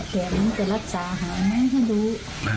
แกน้องจะรักษาหาไหมให้ดู